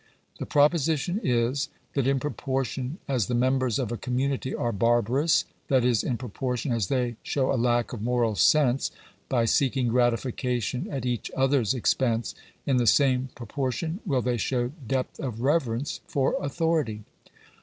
The proposition is, that in proportion as the members of a community are barbarous, that is, in proportion as they show a lack of moral sense by seeking gratification at each others expense, in the same proportion will they show depth of reverence for authority.